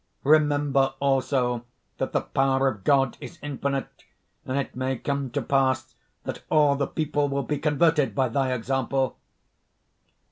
Remember, also, that the power of God is infinite; and it may come to pass that all the people will be converted by thy example."